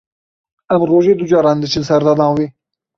Em rojê du caran diçin serdana wê.